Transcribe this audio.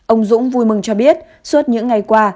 ông dũng vui mừng cho biết suốt những ngày qua